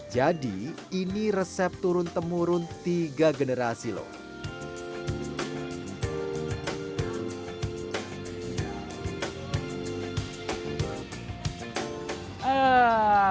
jadi ini resep turun temurun tiga generasi loh